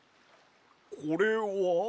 これは？